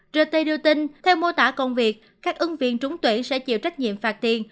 rt đưa tin theo mô tả công việc các ứng viên trúng tuyển sẽ chịu trách nhiệm phạt tiền